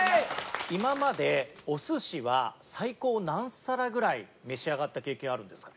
今までお寿司は最高何皿ぐらい召し上がった経験あるんですか？